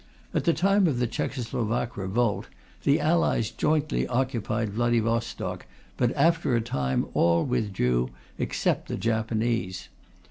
At the time of the Czecho Slovak revolt, the Allies jointly occupied Vladivostok, but after a time all withdrew except the Japanese.